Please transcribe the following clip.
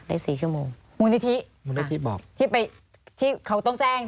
ได้๔ชั่วโมง